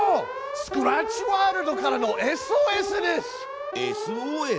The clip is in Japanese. スクラッチワールドからのＳＯＳです！